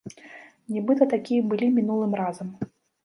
Нібыта такія былі мінулым разам?